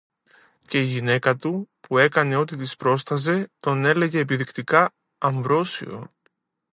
Και η γυναίκα του, που έκανε ό,τι της πρόσταζε, τον έλεγε επιδεικτικά «Αμβρόσιο»